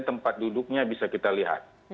tempat duduknya bisa kita lihat